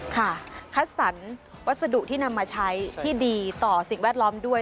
ค่ะคัดสรรวัสดุที่นำมาใช้ที่ดีต่อสิ่งแวดล้อมด้วย